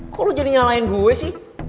kok lo jadi nyalain gue sih